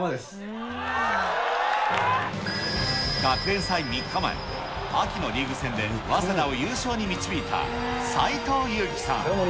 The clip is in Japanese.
学園祭３日前、秋のリーグ戦で早稲田を優勝に導いた斎藤佑樹さん。